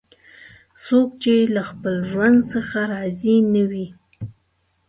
څوک چې له خپل ژوند څخه راضي نه وي